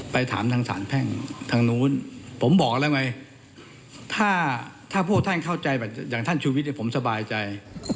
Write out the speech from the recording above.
ไปถามทางสารแพ่งทางนู้นผมบอกอะไรไหมถ้าพวกท่านเข้าใจอย่างท่านชีวิตผมสบายใจ